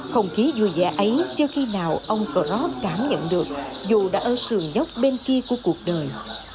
không khí vui vẻ ấy chưa khi nào ông crop cảm nhận được dù đã ở sườn dốc bên kia của cuộc đời